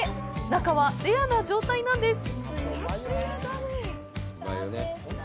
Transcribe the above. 中はレアな状態なんです。